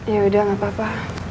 ya udah gak apa apa